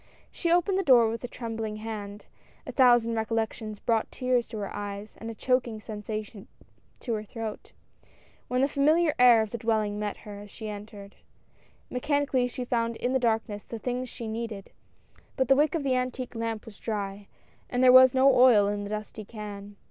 She opened the door with a trembling hand. A thousand recollections brought the tears to her eyes and a choking sensation to her throat, when the fami liar air of the dwelling met her as she entered. Mechanically she found in the darkness the things she needed, but the wick of the antique lamp was dry, and there was no oil in the dusty can.